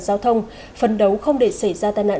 giao thông phấn đấu không để xảy ra tai nạn